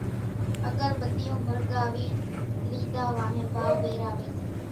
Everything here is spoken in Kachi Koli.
اڳر ٻتيون ۿرڳاوِي ليڌا وانھين ڀائو ويراوي سي